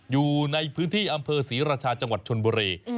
อยู่ในพื้นที่อำเภอศรีราชาจังหวัดชนบุรี